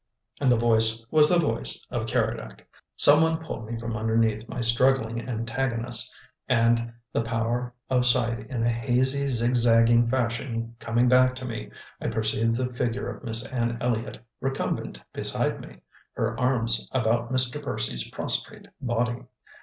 And the voice was the voice of Keredec. Some one pulled me from underneath my struggling antagonist, and, the power of sight in a hazy, zigzagging fashion coming back to me, I perceived the figure of Miss Anne Elliott recumbent beside me, her arms about Mr. Percy's prostrate body.